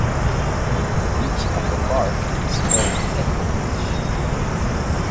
The beach at the park is called Echo Beach.